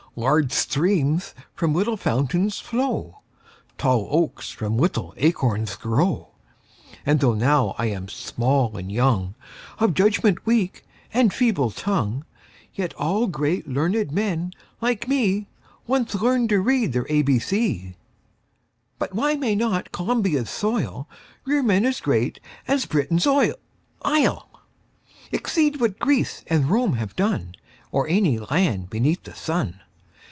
Large streams from little fountains flow, Tall oaks from little acorns grow; And though now I am small and young, Of judgment weak and feeble tongue, Yet all great, learned men, like me Once learned to read their ABC. But why may not Columbia's soil Rear men as great as Britain's Isle, Exceed what Greece and Rome have done Or any land beneath the sun?